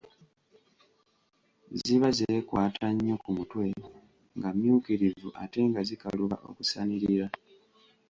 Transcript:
Ziba zeekwata nnyo ku mutwe, nga mmyukirivu ate nga zikaluba okusanirira.